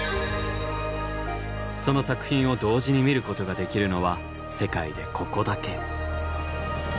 その作品を同時に見ることができるのは世界でここだけ。